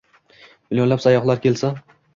Millionlab sayyohlar kelsa